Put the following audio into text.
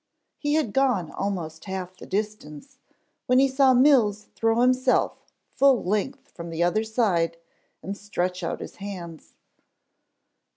He had gone almost half the distance when he saw Mills throw himself full length from the other side, and stretch out his hands.